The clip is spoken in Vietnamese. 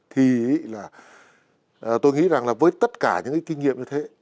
thì là tôi nghĩ rằng là với tất cả những cái kinh nghiệm như thế